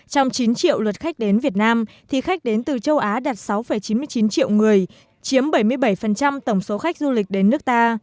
trong chín triệu lượt khách đến việt nam thì khách đến từ châu á đạt sáu chín mươi chín triệu người chiếm bảy mươi bảy tổng số khách du lịch đến nước ta